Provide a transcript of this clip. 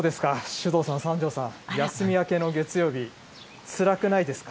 首藤さん、三條さん、休み明けの月曜日、つらくないですか。